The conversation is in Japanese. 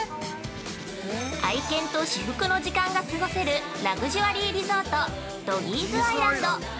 ◆愛犬と至福の時間が過ごせるラグジュアリーリゾートドギーズアイランド。